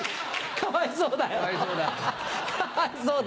かわいそうだ。